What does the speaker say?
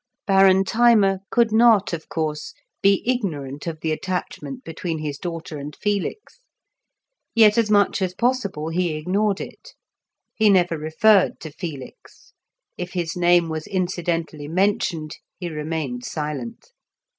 Baron Thyma could not, of course, be ignorant of the attachment between his daughter and Felix; yet as much as possible he ignored it. He never referred to Felix; if his name was incidentally mentioned, he remained silent.